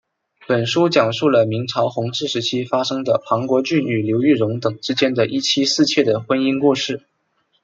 本书讲述了明朝弘治时期发生的庞国俊与刘玉蓉等之间一妻四妾的婚姻故事。